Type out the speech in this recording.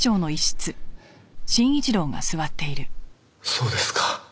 そうですか。